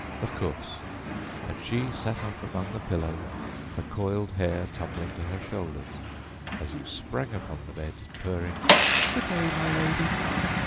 Of course, and she sat up among the pillows, her coiled hair tumbling to her shoulders, as you sprang upon the bed purring: 'Good day, my lady.'